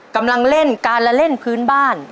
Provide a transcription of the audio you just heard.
กำลังเล่นการละเล่นพื้นบ้าน